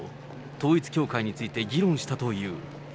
統一教会について議論したという。